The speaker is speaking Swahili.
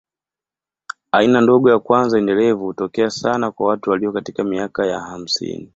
Aina ndogo ya kwanza endelevu hutokea sana kwa watu walio katika miaka ya hamsini.